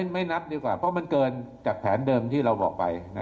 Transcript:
ไม่นับดีกว่าเพราะมันเกินจากแผนเดิมที่เราบอกไป